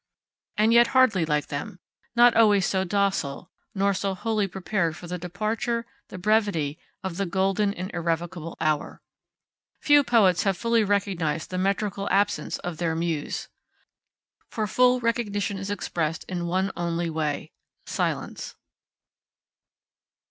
And yet hardly like them; not always so docile, nor so wholly prepared for the departure, the brevity, of the golden and irrevocable hour. Few poets have fully recognised the metrical absence of their Muse. For full recognition is expressed in one only way silence.